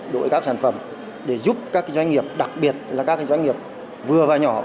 đổi các sản phẩm để giúp các doanh nghiệp đặc biệt là các doanh nghiệp vừa và nhỏ